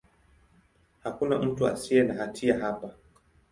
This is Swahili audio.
Hakuna mtu asiye na hatia hapa.